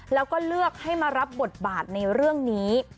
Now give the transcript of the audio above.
แล้วก็เลือกให้มารับบทบาทในเรื่องนี้